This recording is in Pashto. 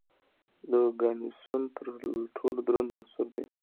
د اوګانیسون تر ټولو دروند عنصر دی.